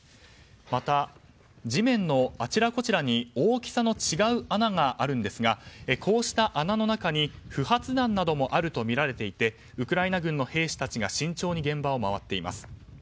また、地面のあちらこちらに大きさの違う穴があるんですがこうした穴の中に不発弾などもあるとみられていてウクライナ軍の兵士たちが慎重に現場を回っています。